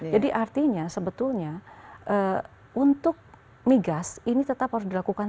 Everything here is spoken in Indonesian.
jadi artinya sebetulnya untuk migas ini tetap harus dilakukan